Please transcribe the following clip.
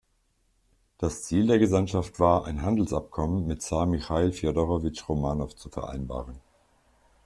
Das Ziel der Gesandtschaft war, ein Handelsabkommen mit Zar Michail Fjodorowitsch Romanow zu vereinbaren.